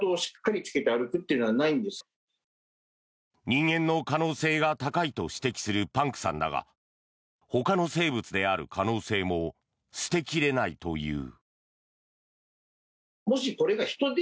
人間の可能性が高いと指摘するパンクさんだがほかの生物である可能性も捨て切れないという。